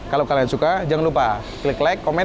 kalau kalian suka jangan lupa klik klik komen